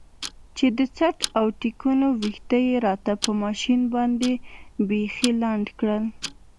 چې د څټ او ټېکونو ويښته يې راته په ماشين باندې بيخي لنډ کړل.